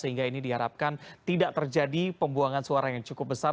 sehingga ini diharapkan tidak terjadi pembuangan suara yang cukup besar